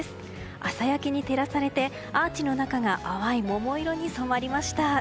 朝焼けに照らされてアーチの中が淡い桃色に染まりました。